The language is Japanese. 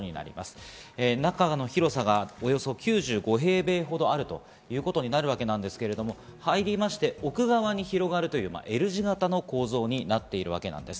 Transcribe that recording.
中の広さがおよそ９５平米ほどあるということになるわけなんですけれど、入りまして、奥側に広がるとＬ字型の構造になっているわけなんです。